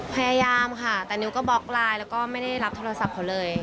พยายามค่ะเต็มนิ้วก็เบาาะแล้วไม่ได้รับโทรศัพท์เขาเลย